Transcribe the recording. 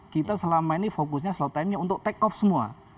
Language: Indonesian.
kita selama ini fokusnya slot time nya untuk take off semua